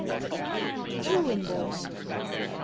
TWO WINDOWS. I.